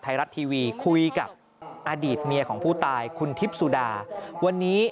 ไทยรัฐทีวีคุยกับอดีตเมียของผู้ตายคุณทิพย์สุดาวันนี้